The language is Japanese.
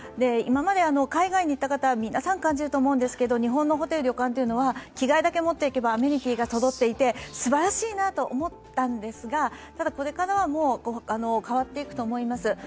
今まで海外に行った方は皆さん感じると思うんですけど日本のホテル、旅館というのは着替えだけ持っていけばアメニティがそろっていてすばらしいなと思ったんですが、ただこれからは変わっていくと思います。